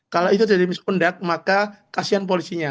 kalau itu terjadi miskundak maka kasian polisinya